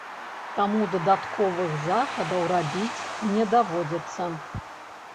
Таму дадатковых захадаў рабіць не даводзіцца.